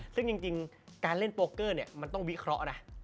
ซึ่งจริงการเล่นโปรเกอร์มันต้องวิเคราะห์นะ